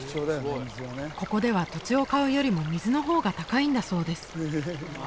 ここでは土地を買うよりも水の方が高いんだそうです